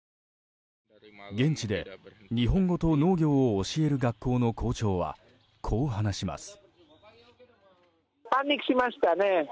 現地で日本語と農業を教える学校の校長はこう話します。